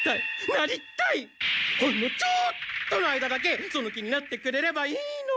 ほんのちょっとの間だけその気になってくれればいいの！